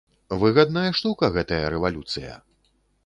Выгадная штука гэтая рэвалюцыя!